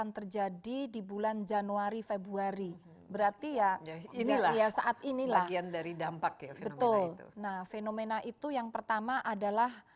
nah fenomena itu yang pertama adalah